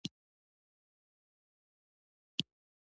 ګروپ د چارو په سرته رسولو کې د مشر نظر ته پام کوي.